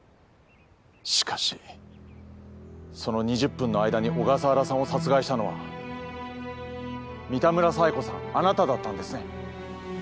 しかしその２０分の間に小笠原さんを殺害したのは三田村冴子さんあなただったんですね？